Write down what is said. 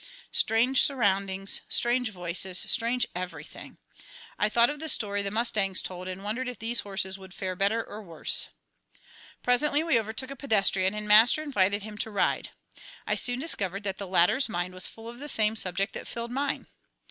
Strange surroundings, strange voices, strange everything! I thought of the story the mustangs told, and wondered if these horses would fare better or worse. Presently we overtook a pedestrian, and Master invited him to ride. I soon discovered that the latter's mind was full of the same subject that filled mine.